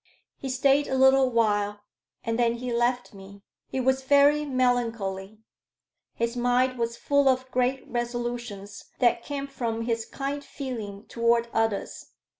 He stayed a little while, and then he left me. He was very melancholy. His mind was full of great resolutions that came from his kind feeling toward others.